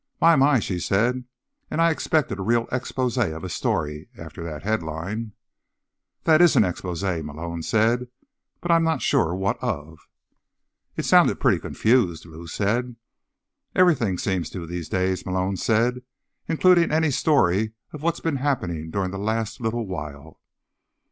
"My, my," she said. "And I expected a real exposé of a story, after that headline." "This is an exposé," Malone said. "But I'm not sure what of." "It sounds pretty confused," Lou said. "Everything seems to, these days," Malone said. "Including any story of what's been happening during the last little while."